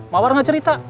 mawar enggak cerita